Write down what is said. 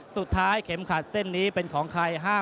วันนี้ถ้ามีโอกาสกะสัดรุ่นพี่ถึงน็อคเลยไหม